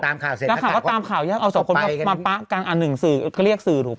ตามข่าวเสร็จจากนักข่าวก็ตามข่าวเอาสองคนกับมาจะปะกันอัน๑อีกสิ่ง